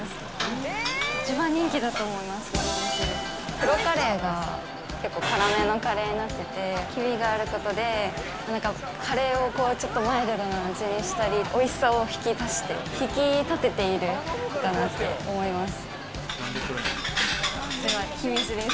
黒カレーが結構辛めのカレーになってて黄身があることでカレーをちょっとマイルドな味にしたりおいしさを引き立てているのかなって思います。